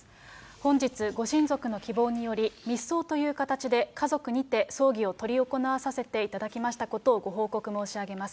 本日、ご親族の希望により、密葬という形で家族にて葬儀を執り行わせていただきましたことをご報告申し上げます。